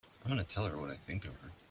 I'm going to tell her what I think of her!